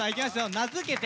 名付けて。